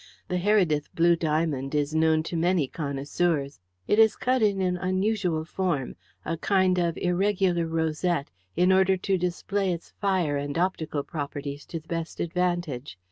The Heredith blue diamond is known to many connoisseurs. It is cut in an unusual form a kind of irregular rosette, in order to display its fire and optical properties to the best advantage.